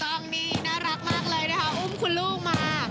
ต้องนี่น่ารักมากเลยนะคะอุ้มคุณลูกมา